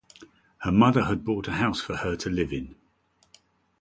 Her mother had bought a house for her to live in.